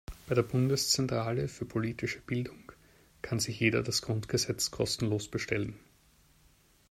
Bei der Bundeszentrale für politische Bildung kann sich jeder das Grundgesetz kostenlos bestellen.